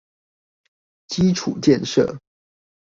基礎建設